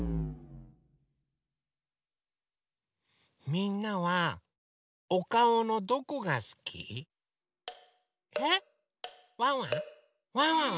みんなはおかおのどこがすき？えっ？ワンワン？ワンワン